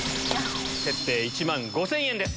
設定１万５０００円です。